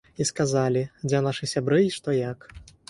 І сказалі, дзе нашы сябры і што як.